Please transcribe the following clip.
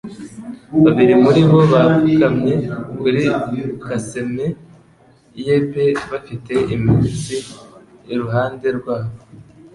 Babiri muri bo bapfukamye kuri casement ye pe bafite imitsi iruhande rwabo!